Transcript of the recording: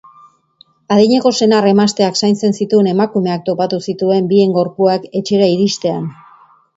Adineko senar-emazteak zaintzen zituen emakumeak topatu zituen bien gorpuak etxera iristean.